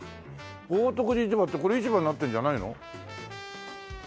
「豪徳寺市場」ってこれ市場になってるんじゃないの？